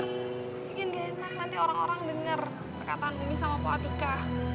mungkin ga enak nanti orang orang denger perkataan umi sama poatika